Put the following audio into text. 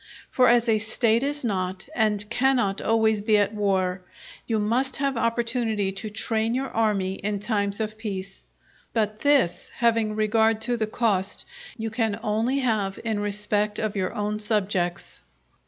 For as a State is not and cannot always be at war, you must have opportunity to train your army in times of peace; but this, having regard to the cost, you can only have in respect of your own subjects.